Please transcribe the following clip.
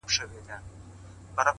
هره هڅه د بریا لور ته تمایل دی’